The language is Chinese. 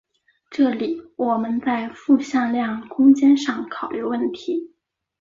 这里我们在复向量空间上考虑问题。